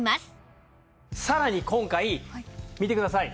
さらに今回見てください。